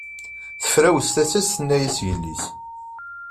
Tefrawes tasa-s tenna-as yelli-s.